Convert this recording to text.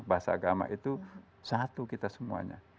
bahasa agama itu satu kita semuanya